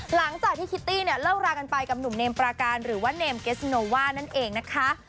หลังจากที่คิตตี้เนี่ยเลิกรากันไปกับหนุ่มเนมปราการหรือว่าเนมเกสโนว่านั่นเองนะคะ